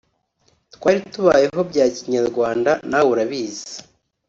twari tubayeho bya Kinyarwanda na we urabizi